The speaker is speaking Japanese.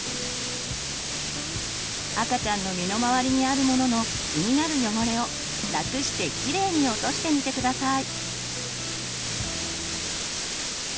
赤ちゃんの身の回りにあるものの気になる汚れをラクしてキレイに落としてみて下さい。